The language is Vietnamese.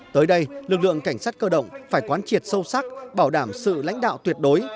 tới đây lực lượng cảnh sát cơ động phải quán triệt sâu sắc bảo đảm sự lãnh đạo tuyệt đối